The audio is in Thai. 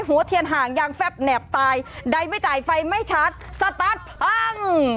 หัวเทียนห่างยางแฟบแนบตายใดไม่จ่ายไฟไม่ชัดสตาร์ทพัง